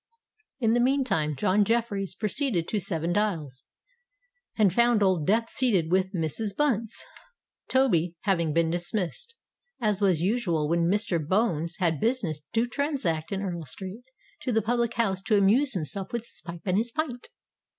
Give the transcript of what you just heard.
In the meantime, John Jeffreys proceeded to Seven Dials, and found Old Death seated with Mrs. Bunce, Toby having been dismissed—as was usual when Mr. Bones had business to transact in Earl Street—to the public house to amuse himself with his pipe and his pint.